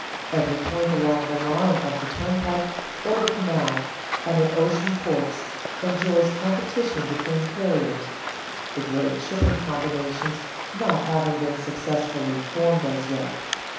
Every point along the line of the turnpike or the canal and at ocean ports enjoys competition between carriers, the great shipping combinations not having been successfully formed as yet.